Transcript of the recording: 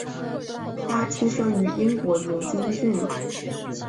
他出生于英国牛津郡。